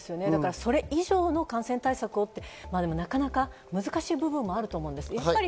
それ以上の感染対策というのはなかなか難しい部分もあると思うんです。